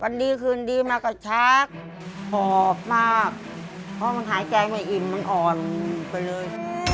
ดีคืนดีมาก็ชักหอบมากเพราะมันหายใจไม่อิ่มมันอ่อนไปเลย